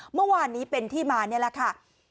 เมื่อวานนี้เป็นที่มานี่แหละค่ะ